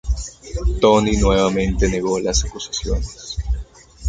Tony nuevamente negó las acusaciones.